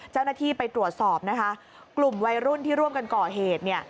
เจ้าหน้าที่ไปตรวจสอบนะคะกลุ่มวัยรุ่นที่ร่วมกันก่อเหตุเนี่ย